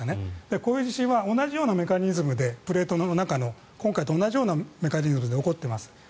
こういう地震は同じようなメカニズムでプレートの中の今回と同じようなメカニズムで起こっています。